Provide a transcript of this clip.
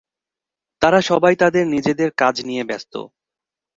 তারা সবাই তাদের নিজেদের কাজ নিয়ে ব্যস্ত।